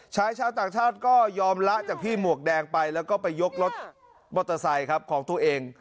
ชายชาวต่างชาติก็ยอมละจากพี่หมวกแดงไปแล้วก็ไปยกรถมอเตอร์ไซค์ครับของตัวเอง